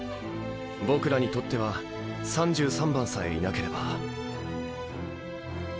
僕らにとっては３３番さえいなければ。